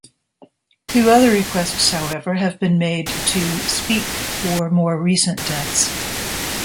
Two other requests, however, have been made to "speak" for more recent deaths.